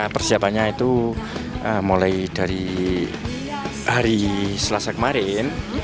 persiapannya itu mulai dari hari selasa kemarin